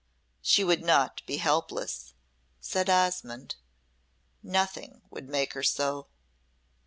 "She would not be helpless," said Osmonde. "Nothing would make her so."